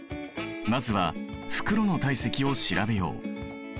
まずは袋の体積を調べよう。